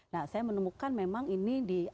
nah saya menemukan memang ini di